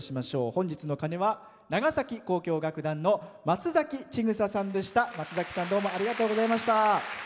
本日の鐘は長崎交響楽団の松崎千草さんでした。